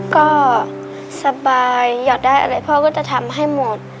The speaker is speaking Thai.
ก็สบายอยากได้อะไรพ่อก็จะทำให้หมด